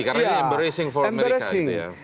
karena ini embarrassing for amerika